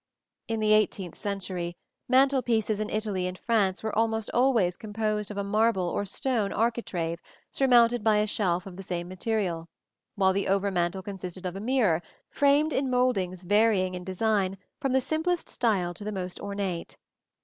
In the eighteenth century, mantel pieces in Italy and France were almost always composed of a marble or stone architrave surmounted by a shelf of the same material, while the over mantel consisted of a mirror, framed in mouldings varying in design from the simplest style to the most ornate.